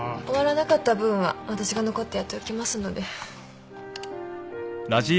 終わらなかった分は私が残ってやっておきますので。